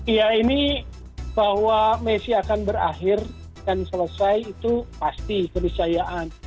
iya ini bahwa messi akan berakhir dan selesai itu pasti keniscayaan